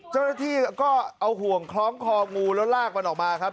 เจ้าท่อนุทธีนก็เอาห่วงคล้องูแล้วก็ลากมันออกมาครับ